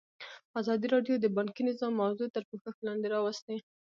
ازادي راډیو د بانکي نظام موضوع تر پوښښ لاندې راوستې.